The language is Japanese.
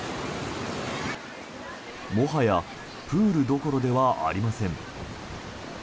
もはやプールどころではありません。